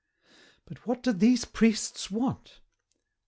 "But what do these priests want?"